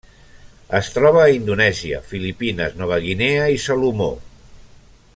Es troba a Indonèsia, Filipines, Nova Guinea i Salomó.